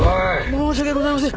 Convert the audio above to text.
申し訳ございません！